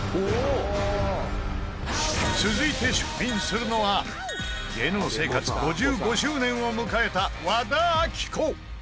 続いて出品するのは芸能生活５５周年を迎えた和田アキ子